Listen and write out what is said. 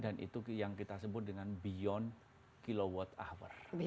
dan itu yang kita sebut dengan beyond kilowatt hour